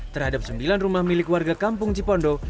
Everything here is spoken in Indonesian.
terhadap sembilan rumah milik warga kampung cipondo